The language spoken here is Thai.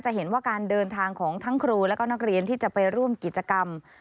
เห็นว่าการเดินทางของทั้งครูและก็นักเรียนที่จะไปร่วมกิจกรรม